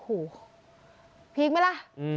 อึโฮพีกไม๊ล่ะ